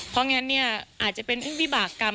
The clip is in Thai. เพราะงั้นเนี่ยอาจจะเป็นวิบากรรม